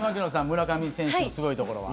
村上選手のすごいところは？